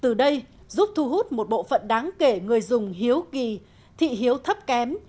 từ đây giúp thu hút một bộ phận đáng kể người dùng hiếu kỳ thị hiếu thấp kém